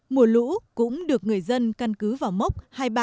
mùa lũ cũng được người dân căn bộ và các tỉnh trong miền trung đánh dấu